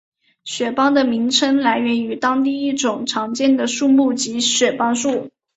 雪邦的名称来源为当地一种常见的树木即雪邦树。